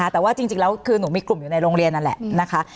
แต่ว่าจริงแล้วคือหนูมีกลุ่มอยู่ในโรงเรียนนั่นแหละนะคะ